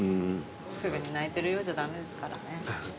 すぐに泣いてるようじゃ駄目ですからね。